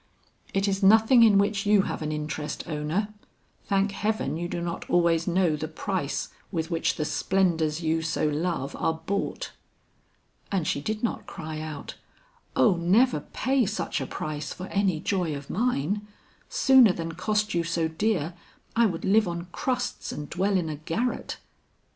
'It is nothing in which you have an interest, Ona. Thank heaven you do not always know the price with which the splendors you so love are bought.' And she did not cry out, 'O never pay such a price for any joy of mine! Sooner than cost you so dear I would live on crusts and dwell in a garret.'